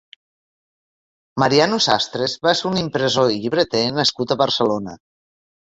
Mariano Sastres va ser un impressor i llibreter nascut a Barcelona.